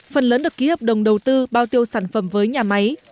phần lớn được ký hợp đồng đầu tư bao tiêu sản phẩm với nhà máy